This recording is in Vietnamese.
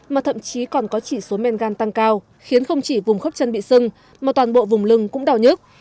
mà thậm chí còn có chỉ số men gan tăng cao khiến không chỉ vùng khớp chân bị sưng mà toàn bộ vùng lưng cũng đau nhức